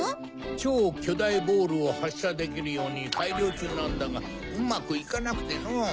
超巨大ボールを発射できるように改良中なんだがうまくいかなくてのう。